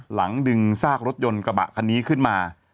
หลังดึงซากรถยนต์กระบะคันนี้ขึ้นมา